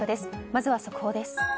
まずは速報です。